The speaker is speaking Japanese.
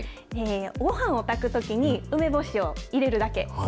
ごはんを炊くときに、梅干しを入れるだけ。